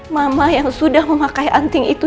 mama yang sudah memakai anting itu